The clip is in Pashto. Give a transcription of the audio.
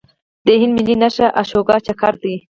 د هند ملي نښه اشوکا چکر دی.